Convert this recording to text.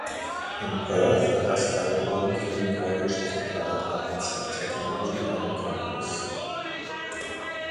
In Perth hat das Algonquin College of Applied Arts and Technology einen Campus.